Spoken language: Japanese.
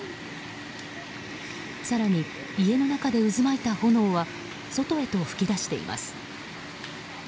更に、家の中で渦巻いた炎は外へと噴き出しています。